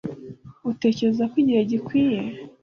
Utekereza ko igihe gikwiye